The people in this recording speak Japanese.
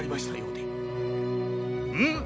うん！